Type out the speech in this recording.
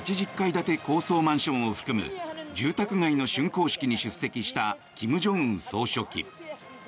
建て高層マンションを含む住宅街のしゅん工式に出席した金正恩総書記。